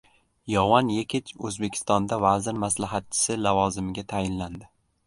Yovan Yekich O‘zbekistonda vazir maslahatchisi lavozimiga tayinlandi